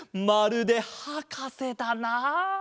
まるではかせだなあ。